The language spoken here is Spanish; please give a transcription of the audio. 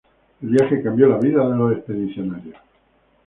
El viaje cambió la vida de los expedicionarios.